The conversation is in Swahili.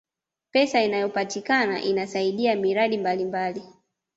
pesa inayopatikana inasaidia miradi mbalimbali